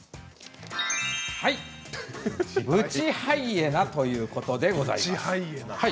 ブチハイエナということでございます。